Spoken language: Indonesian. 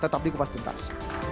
tetap di kupas cintas